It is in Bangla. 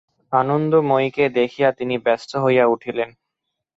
আনন্দময়ীকে দেখিয়া তিনি ব্যস্ত হইয়া উঠিলেন।